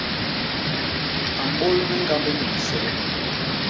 A mbôl me ñgambi ni lise.